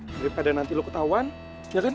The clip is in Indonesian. daripada nanti lo ketahuan ya kan